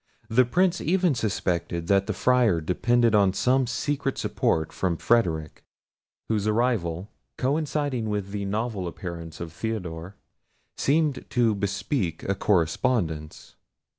The Prince even suspected that the Friar depended on some secret support from Frederic, whose arrival, coinciding with the novel appearance of Theodore, seemed to bespeak a correspondence.